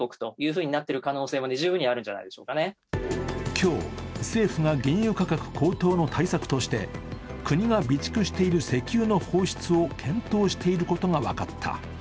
今日、政府が原油価格高騰の対策として国が備蓄している石油の放出を検討していることが分かった。